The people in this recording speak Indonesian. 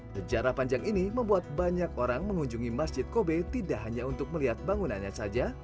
sejarah panjang ini membuat banyak orang mengunjungi masjid kobe tidak hanya untuk melihat bangunannya saja